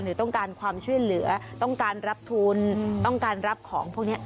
หรือต้องการความช่วยเหลือต้องการรับทุนต้องการรับของพวกนี้